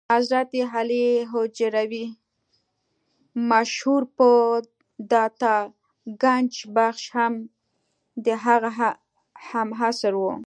حضرت علي هجویري مشهور په داتا ګنج بخش هم د هغه هم عصر و.